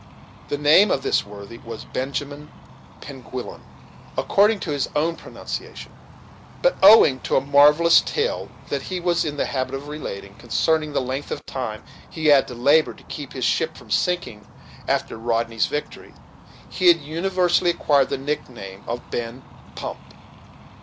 The name of this worthy was Benjamin Penguillan, according to his own pronunciation; but, owing to a marvellous tale that he was in the habit of relating, concerning the length of time he had to labor to keep his ship from sinking after Rodney's victory, he had universally acquired the nick name of Ben Pump.